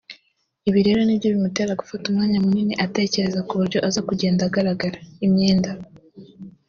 ibi rero ni byo bimutera gufata umwanya munini atekereza ku buryo aza kugenda agaragara (imyenda